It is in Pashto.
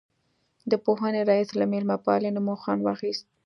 د پوهنې رئیس له مېلمه پالنې مو خوند واخیست.